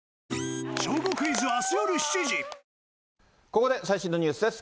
ここで最新のニュースです。